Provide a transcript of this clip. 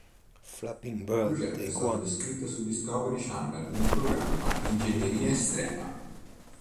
Il progetto è stato descritto su Discovery Channel nel programma Ingegneria Estrema.